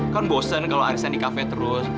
kan bosen kalau arisan di kafe terus